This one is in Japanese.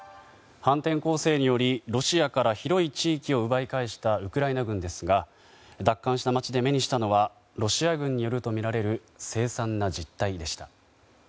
反転攻勢によりロシアから広い地域を奪い返したウクライナ軍ですが奪還した街で目にしたのはロシア軍によるとみられる凄惨な実態でした。